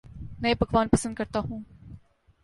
نئے پکوان پسند کرتا ہوں